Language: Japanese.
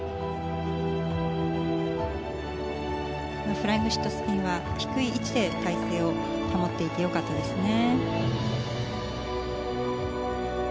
フライングシットスピンは低い位置で体勢を保っていてよかったですね。